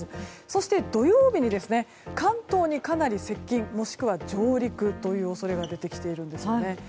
そして、土曜日に関東にかなり接近もしくは上陸という恐れが出てきているんですよね。